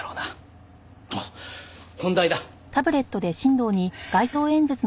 あっ本題だ。